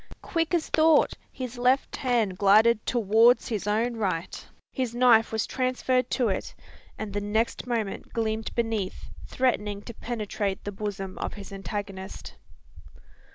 Quick as thought, his left hand glided towards his own right; his knife was transferred to it; and the next moment gleamed beneath, threatening to penetrate the bosom of his antagonist.